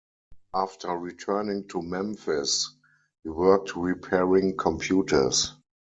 After returning to Memphis, he worked repairing computers.